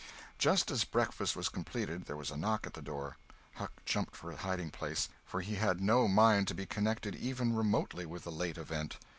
Just as breakfast was completed there was a knock at the door. Huck jumped for a hiding place, for he had no mind to be connected even remotely with the late event.